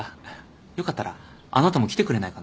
よかったらあなたも来てくれないかな？